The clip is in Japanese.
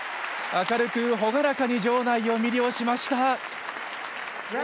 明るく朗らかに場内を魅了しました。